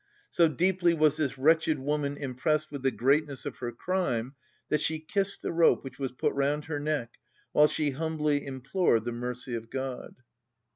So deeply was this wretched woman impressed with the greatness of her crime that she kissed the rope which was put round her neck, while she humbly implored the mercy of God."